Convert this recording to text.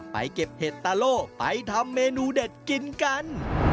เก็บเห็ดตาโล่ไปทำเมนูเด็ดกินกัน